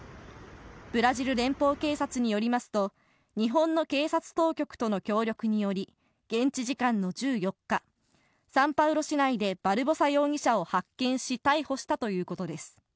ブラジル連邦警察によりますと、日本の警察当局との協力により、現地時間の１４日、サンパウロ市内でバルボサ容疑者を発見し逮捕したということです。